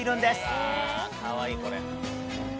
うわかわいいこれ。